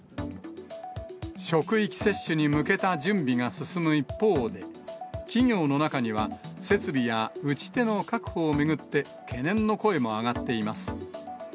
職域接種に向けた準備が進む一方で、企業の中には設備や打ち手の確保を巡って、懸念の声も上がっています。